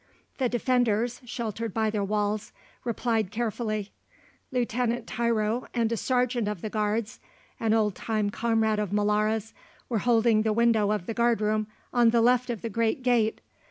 The defenders, sheltered by their walls, replied carefully. Lieutenant Tiro and a sergeant of the Guards, an old war time comrade of Molara's, were holding the window of the guard room on the left of the great gate.